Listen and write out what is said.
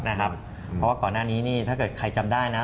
เพราะว่าก่อนหน้านี้นี่ถ้าเกิดใครจำได้นะ